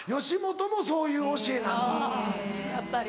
吉本もそういう教えなん。